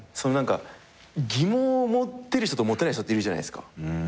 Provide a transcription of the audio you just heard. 疑問を持てる人と持てない人っているじゃないですか。